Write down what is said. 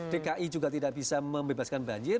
dki juga tidak bisa membebaskan banjir